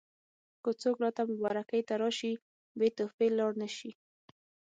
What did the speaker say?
که څوک راته مبارکۍ ته راشي بې تحفې لاړ نه شي.